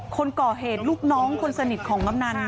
คนก่อเหตุลูกน้องคนสนิทของกำนัน